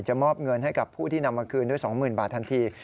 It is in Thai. มอบเงินให้กับผู้ที่นำมาคืนด้วย๒๐๐๐บาททันที